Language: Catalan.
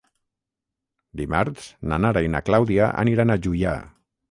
Dimarts na Nara i na Clàudia aniran a Juià.